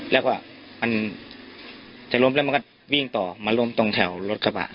แล้วก็มันจะล้มแล้วมันก็วิ่งต่อมาล้มตรงแถวรถกระบะ